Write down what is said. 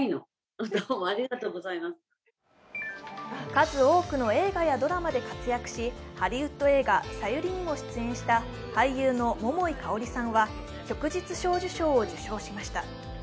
数多くの映画やドラマで活躍しハリウッド映画「ＳＡＹＵＲＩ」にも出演した俳優の桃井かおりさんは旭日小綬章を受章しました。